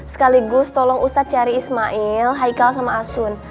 sekaligus tolong ustadz cari ismail haikal sama asun